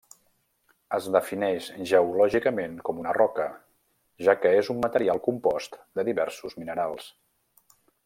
Es defineix geològicament com una roca, ja que és un material compost de diversos minerals.